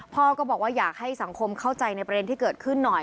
พ่อก็บอกว่าอยากให้สังคมเข้าใจในประเด็นที่เกิดขึ้นหน่อย